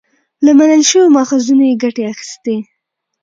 له منل شويو ماخذونو يې ګټه اخستې